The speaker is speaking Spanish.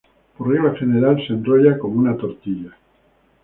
Por regla general se enrolla como una tortilla.